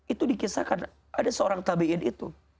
itu dikisahkan ada seorang tabiin itu